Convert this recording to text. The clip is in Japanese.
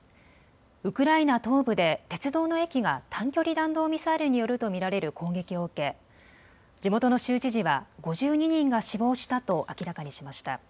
ウクライナ東部で鉄道の駅が短距離弾道ミサイルによると見られる攻撃を受け、地元の州知事は５２人が死亡したと明らかにしました。